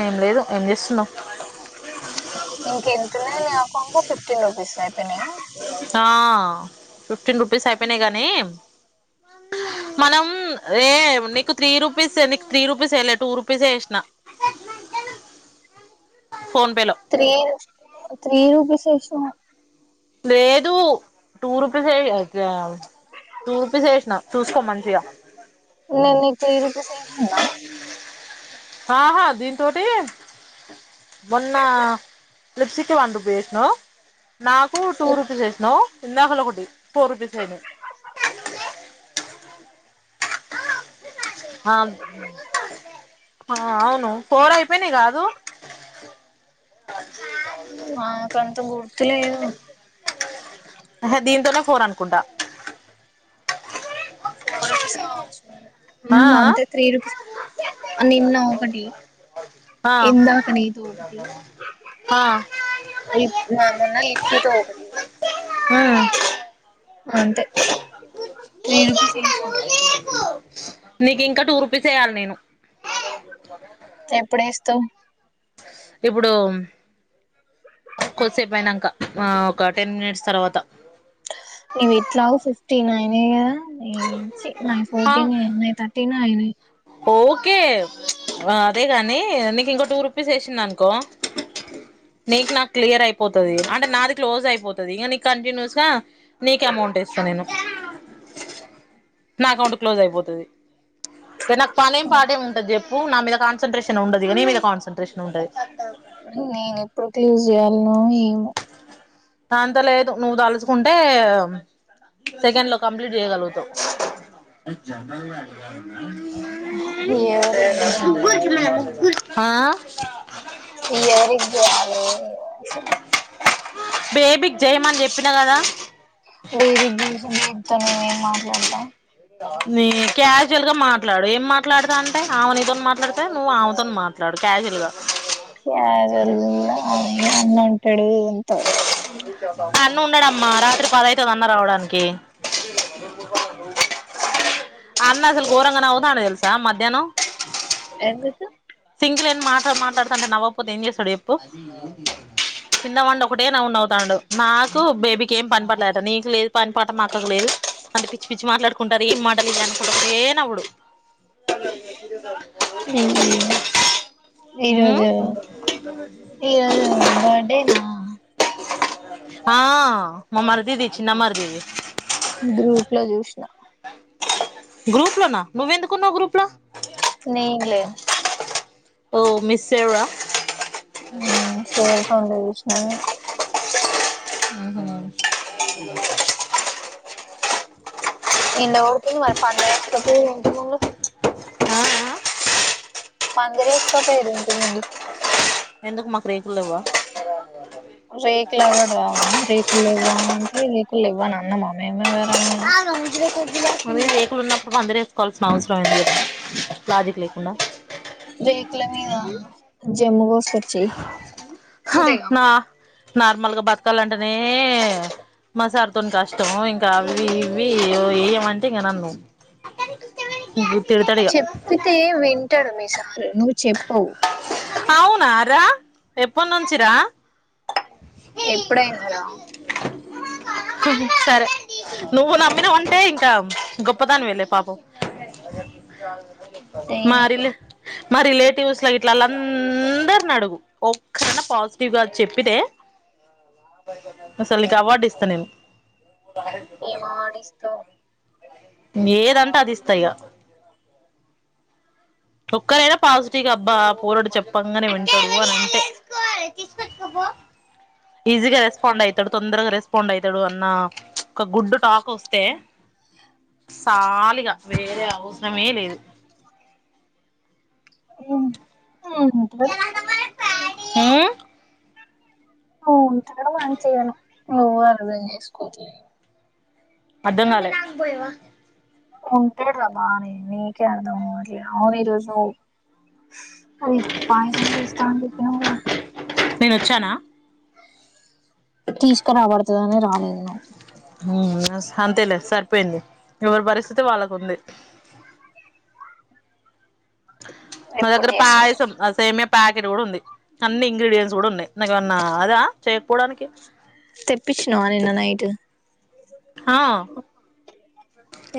ఏం లేదు ఏం చేస్తున్నావ్ ఇంకెంతున్నాయి మీ అకౌంట్ ఫిఫ్టీన్ రూపీస్ అయిపోయినాయ ఆ ఫిఫ్టీన్ రూపీస్ అయిపోయినాయి గానీ మనం ఏ నీకు త్రీ రూపీస్ త్రీ రూపీస్ ఎయిలే టూ రూపీసే ఎష్ణ త్రీ త్రీ రూపీస్ ఏష్ణవ్ లేేదు టూ రూపీస్ అ జ మంచిగా నే నీక్ త్రీ రూపీస్ ఎషిన్న ఆహా దీంతోటి మొన్న లిప్స్టిక్ వన్ రూపిస్ ఎష్ణవ్ నాకు టూ రుపీస్ ఏష్ణవ్ ఇందాకలోకటి పోరూపీస్ అయినయి ఆ హ అవును పోరయిపోయినయి కాదు నాకంత గుర్తు లేదు ఫోరనుకుంటా ఫోర్ రుపీస్ కావచ్చు ఆ మంమ్తే రూపిస్ అ నిన్న ఒకటి ఆ ఇందకనీ తో ఒకటి ఆ ఆ మొన్న లిప్స్టిక్ ఒకటి ఉ అంతే త్రీ రూపీస్ యేసిన నీకు ఇంకా టూ రుపీస్ ఎయ్యాలి నేను ఎప్పుడెస్తావ్ ఇప్పుడు కొద్దిసేపు అయినాక ఒక టెన్ మినిట్స్ తర్వాత నవ్ ఎట్లా ఫిఫ్టీనాయినయ్ కదా ఏ ఆ ఫోర్టీన్ న థర్టీనే అయినాయ్ ఓకే అదే కాని నీకు ఇంక టూ రూపీస్ వేశిన్ననుకో అనుకో నీకు నాకు క్లియర్ అయిపోతుంది అంటే నాది క్లోజ్ అయిపోతుంది ఇంకా నీకు కంటిన్యూస్గా నీకు అమౌంట్ ఇస్తా నేను నా అకౌంట్ క్లోజ్ అయిపోతుంది నాకు పనేం పాట ఏం ఉంటది చెప్పు నా మీద కాన్సన్ట్రేషన్ ఉండదిగ నీ మీద కాన్సన్ంట్రేషన్ ఉండది నేను ఎప్పుడు క్లూజ్ చేయాలను ఏం అంత లేదు నువ్వు తలుసుకుంటే సెకండ్ లో కంప్లీట్ చేయగలుగుతావు ఎవరికి చేయాలో ఆ ఎవరికి జేయలే బేబీకి జయమని చెప్పినా కదా బేబీకి చేసి బేబీతో నేనేం మాట్లాడతా నీ క్యాజువల్ గా మాట్లాడు ఏం మాట్లాడతా అంటే ఆమెనితో మాట్లాడతా నువ్వు ఆమెతోని మాట్లాడు క్యాజువల్ గా క్యజువల్గ కూడా అన్నుంటాడు అన్న ఉన్నాడమ్మా రాత్రి పద అవుతుందన్న రావడానికి అన్న అసలు కోఊరంగనవ్వుతాండు తెల్సు స మధ్యన్నం ఎందుకు లేని మాటలు మాట్లాడుతాంటే నవ్వకపోతే ఏం చేస్తాడు ఎప్పు కిందబడి ఒకటే నవ్వు నవ్వుతాండు నాకు బేబీకి ఏం పనిపాట లేదంట నీకు లేదు పని పాట మాక్క లేదు అంటే పిచ్చి పిచ్చి మాట్లాడుకుంటారు ఏం [inaudible] ఒకటే నన్వుడు ఈ ఉమ్ ఈరోజు ఈరోజు బర్డేనా ఆ మా మర్దిది చిన్న మర్ధిది గ్రూప్ లో చూసిన గ్రూప్ లోనా నువ్వెందుకున్నావు గ్రూప్ లో నేన్ లేను ఓ మీస్సేర మ్మ్ సేర ఫోన్లో జూష్ణ నేను ఆహ ఎండ పడుతుంది మరి పందిరి వేసుకపోఇర్రా ఇంటి ముందు ఆ పదిరేసుకోపోయర్రా ఇంటి ముందు ఎందుకు మాకు రేకులెవ్వ రేకు లాగా రావ రేకులు లెవ్వ అంటే రే లేవ్వ్ అని అన్నమా మేమే ఎవరమైనా అ రేకులున్నప్పుడు పదిరు వేసుకోవాల్సిన అవసరం ఏంది కదా లాజిక్ లేకుండా రేకుల మీద జమ్మూ కోస్కచ్చ చెేయ్ హ నా నార్మల్ గా బతకాల అంటేనే మసారుతో కష్టం ఇంకా అవి ఇవి వేయమంటే ఇంకా నన్ను తిడతాడు ఇగ చెప్పితే వింటాడు మీ సార్ నువ్వు చెప్పవు అవునా రా ఎప్పుడు నుంచి రా ఎప్పుడైనా రా హాషస్ సరే నువ్వు నమ్మినావంటే ఇంకా గొప్పదానివెలే పాపం దేనికి మరిల మా రెలెటివ్సలా ఇట్లాల్ల అందరిని అడుగు ఒక్కరనా పాజిటివ్ గా చెప్పితే అసలు నీకు అవార్డు ఇస్తా నేను ఏం అవార్డిస్తావ్ ఏదంటే అది ఇస్తాయిక ఒక్కరైనా పాజిటివ్గా అబ్బా పోరుడు చెప్పంగానే వింటాడు అని అంటే ఈజీగా రెస్పాండ్ అయితాడు తొందరగా రెస్పాండ్ అయితాడు అన్న ఒక గుడ్ టాక్ వస్తే సాలిగా వేరే అవసరమే లేదు మ్మ్ ంటారు ఉమ్ అవును వాంగ్ చేయను నువ్వే అర్ధంచేసుకో అర్థంకాలే ఉంటాడు ఆ బానే నీకే అర్థమవట్లేదు అవును ఈరోజు అది పయసం చేస్త అని చెప్పినవ్ కదా నేను వచ్చానా తీసుకురాబడుతదాని రాలేదు నువు హుమ్ అంతేలే సరిపోయింది ఎవరి పరిస్థితి వాళ్ళకు ఉంది మా ఎప్పుడు దగ్గర చేసావు పాయసం ఆ సేమ్యా ప్యాకెట్ కూడా ఉంది అన్ని ఇంగ్రీడియంట్స్ కూడా ఉన్నాయి నాకు ఏమన్నా అదా చేయకపోవడానికి తెప్పించినవా నిన్న నైటు ఆ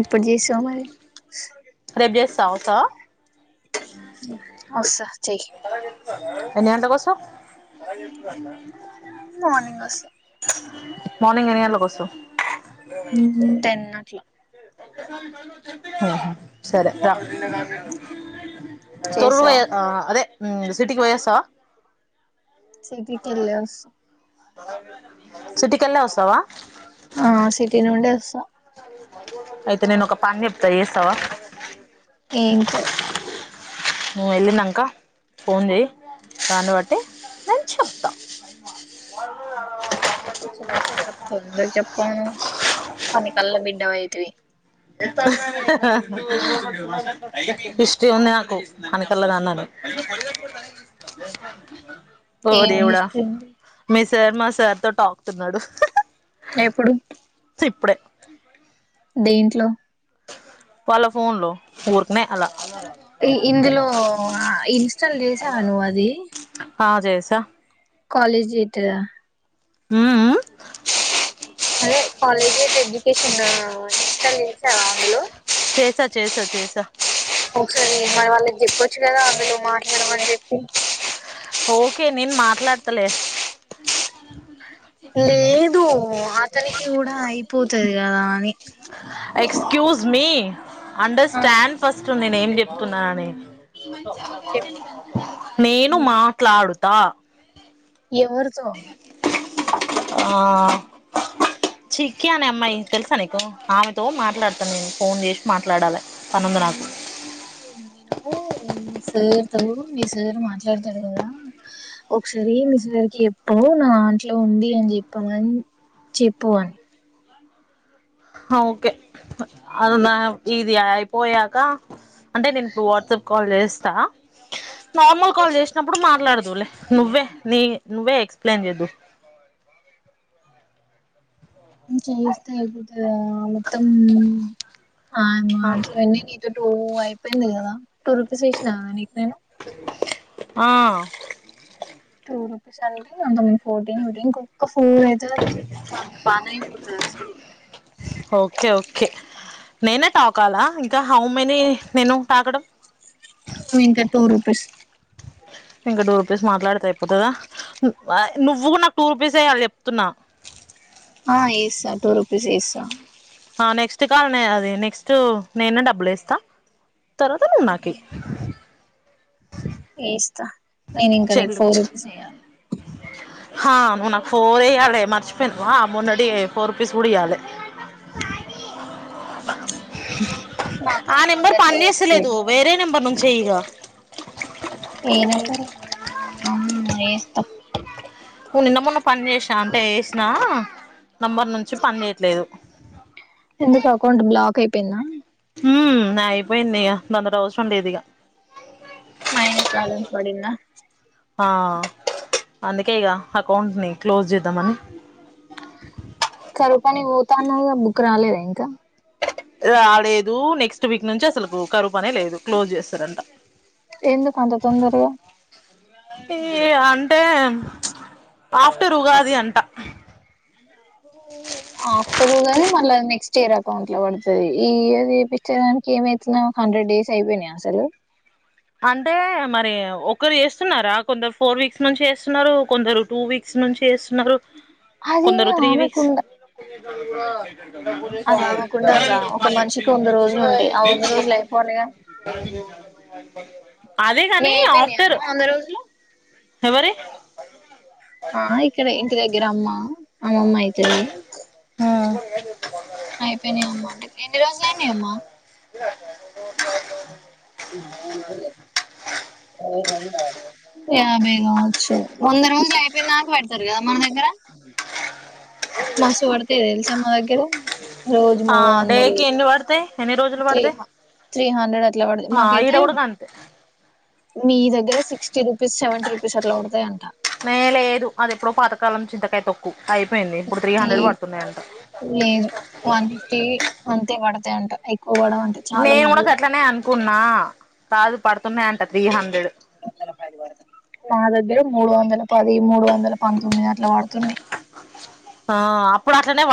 ఎప్పుడు చేశావ్ మరి హ జేస్తా వస్తావా వస్స చేయ్ ఎన్ని గంటల కోస్తవ్ మార్నింగ్ వస్తా మర్నింగ్ ఎన్ని గంటలకొస్సవ్ ఉమ్ టెన్ అట్ల హు సరే రా చేసావా తీరుపోయే ఆ అదే ఉమ్ సిటీకి పోయ్ వస్తావ సిటీ కెళ్ళే వస్స సిటీకెళ్ళే వస్తావా ఆ సిటీ నుండే వస్తా అయితే నేను ఒక పని జెప్తా ఎస్తావా ఇంచో నువ్వు వెళ్ళినంక ఫోన్ చేయి దాన్ని బట్టి నేన్ చెప్తా చెప్తావ్ చెప్తావ్ ఎందుకు చెప్పావ్ మణికల్ల బిడ్డవైతివి హిస్ట్రీ ఉంది నాకు, అన్ని తెల్లగా [unintelligible] ఓ ఏమి దేవుడా! హిస్టరీ మీ సర్ మా సార్ తో టాకుతున్నాడు ఎప్పుడు ఇప్పుడే దేంట్లో వాళ్ళ ఫోన్లో ఉర్కనే అల ఈ ఇందులో ఇన్స్టాల్ చేశావా నువ్వు అది త కాాలేజి [unintelligible] ఉ ఉ అదే కాలేజి కి ఎడ్యుకేషన్ ఇన్స్టాల్ చేశావా అందులో చేసా చేసా చేసా చెప్పచ్చు కదా అందులో మాట్లాడమని చెప్పి ఓకే, నేను మాట్లాడతలే. లేదు, అతనికి గూడా అయిపోతాది కదా అని. ఎక్స్క్యూజ్ మీ తున్నానే. చెప్పు నేను, మా వృతా ఎవరితో? ఆ చికి అనే అమ్మాయి తెలుసా నీకు? ఆమెతో మాట్లాడతా. నేను ఫోన్ జేసి మాట్లాడాలే. లే...... దు నేను. మా సార్ తో మీ సార్ మాట్లాడతాడు గదా. ఒకసారి మీ సార్ కి జెప్పు, నా ఆట్లో ఉంది అని చెప్పామని చెప్పు అని. హా, ఓకే. అల్లానహాబ్ ఎప్పుడు ఇది ఐ పోయాక. అంటే, నేను ఇప్పుడు వాట్సాప్ కాల్ జేస్ తా? నార్మల్ కాల్, చెప్పలేదు జేసినప్పుడు మాట్లాడదు. నీవు లే, నువ్వే ని నువ్వే ఎక్స్‌ప్లెయిన్ జేదువ్. ఉమ్. చేస్తే అయిపోతాది గదా. అలాతో తమ్. ఆయన మాటలన్ని, నీతోటి టూ అయిపోయింది కదా? టూ రుపీస్ వేసినా నీకు నేను? ఆ టూ రుపీస్ అండి, [inaudible] ఫోర్టీన్ [inaudible] ఇంకా ఫోర్ అయితదనంట, పాణమే పోతది అసలు. ఓకే, ఓకే నేనే టాకాలా ఇంకా? హౌ మెనీ నేను టాకడం? నీవు ఇంకా, టూ రూపీస్. ఇంకా టూ రూపీస్ మాట్లాడితే అయిపోతుదా. నువ్వు గూడా నాక్ టూ రూపీస్ ఏయాలి, చెప్తున్నా. ఆ, ఏస్సా. టూ రుపీస్ ఏస్సా. ఆ, నెక్స్ట్ కాల్ నే అది నెక్స్ట్ నేన డబ్బులు వేస్తా. తర్వాత నువ్వు నాకీ. ఏస్ నేను ఇంకా నీకు ఫోర్ రూపీస్ ఏయ్యాలి. హా! నువ్వు నాకు ఫోర్ ఏయ్యాలే మరిచిపోయినవా? మొన్నటివే ఫోర్ రూపీస్ కూడా ఇయ్యాలే. నా ఆ, అకౌంట్ లో నెంబర్ పని ఉండట్లేదు ఎప్పుడు జేస్తాలేదు. వేరే నెంబర్ నుంచి చేయి ఇగ. ఏ నెంబరు? ఉమ్, ఏస్తా. నీవు నిన్న మొన్న పని జేసినా అంటే వేసినా నంబర్ నుంచి పని చేయట్లేదు. ఎందుకు? అకౌంట్ బ్లాక్ అయిపోయిందా? ఉ అయిపోయింది ఇక దంతోటి అవసరం లేదిక మైనస్ బ్యాలెన్స్ పడిందా ఆ అందుకే ఇక అకౌంట్ ని క్లోజ్ చేద్దామని కరిపాని పోతాన్నావుగా బుక్ రాలదా ఇం ఇంకా రాలేదు నెక్స్ట్ వీక్ నుంచి అసలు బ్రోకరు పనే లేదు క్లోజ్ చేస్తారంట ఎందుకంత తొందరగా ఈ అంటే ఆఫ్టర్ ఉగాది అంట ఆఫ్టర్ గానీ మళ్ళా నెక్స్ట్ ఇయర్ అకౌంట్ లో పడుతుంది ఈ ఇయర్ చేపించడానికి ఏమైతున్నాది హండ్రెడ్ డేస్ అయిపోయినాయి అసలు అంటే మరి ఒకరు చేస్తున్నారా కొందరు ఫోర్ వీక్స్ నుంచి చేస్తున్నారు కొందరు టూ వీక్స్ నుంచి చేస్తున్నారు అది కొందరు త్రీ వీక్స్ ఆమెకుండ అది ఆమెకుండాలి రా ఒక మనిషికి వంద రోజులు ఉంటాయి ఆ వంద రోజులు అయిపోవాలిగా బ అదే కాని నీయి అయిపోయినాయా ఆఫ్టర్ అమ్మ వంద రోజులు ఎవరి ఆ ఇక్కడ ఇంటి దగ్గర అమ్మ అమ్మమ్మ అయితది ఏతు అయిపోయినాయి అమ్మ ఎన్ని రోజులయినాయి అమ్మా సరే మ యాభై రో వంద రోజులు అయిపోయింది నాకు పెడతారు కదా మన దగ్గర మస్తుగా పడుతాయి తెలుసా మా నా దగ్గర రోజు ఆ మూడు డేకి వందలు ఎన్ని పడతాయి ఎన్ని రోజులు త్రీ పడతాయి త్రీ హండ్రెడ్ అట్లా పడది ఆ ఈడ మాకైతే కూడా కంతా మీ దగ్గర సిక్స్ మే లేదు అది ఎప్పుడో పాతకాలం చింతకాయ్ తోక్కు ఈ లేదు వన్ ఫిఫ్టీ అంతే పడ తే అంట పోవడం అంటే చాలా మంది నుకున్న కాదు పడు తున్నాయంటా త్రీ హండ్రెడ్ నా దగ్గర మూడు వందలు పది మూడు వందల పంతొమ్మిది అట్లా పడుతున్నాయి ఆ అప్పుడు అట్లనే